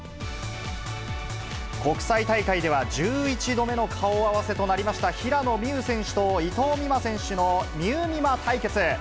国際大会では１１度目の顔合わせとなりました、平野美宇選手と伊藤美誠選手のみうみま対決。